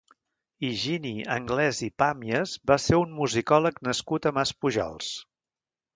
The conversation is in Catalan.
Higini Anglès i Pàmies va ser un musicòleg nascut a Maspujols.